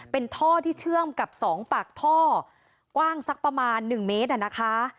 เป็นท่อที่เชื่อมกับ๒ปากท่อกว้างสักประมาณ๑เมตรนะคะ